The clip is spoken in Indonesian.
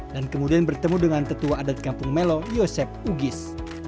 dan kemudian bertemu dengan tetua adat kampung melo yosep uggis